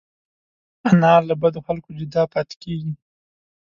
انا له بدو خلکو جدا پاتې کېږي